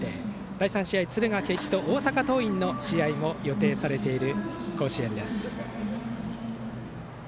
第３試合、敦賀気比と大阪桐蔭の試合も予定されている甲子園です。